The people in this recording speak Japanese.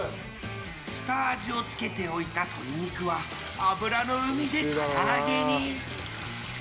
下味をつけておいた鶏肉は脂の海でから揚げに。